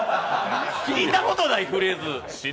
聞いたことないフレーズ。